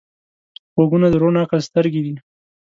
غوږونه د روڼ عقل سترګې دي